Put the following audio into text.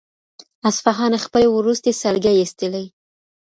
اصفهان خپلې وروستۍ سلګۍ ایستلې.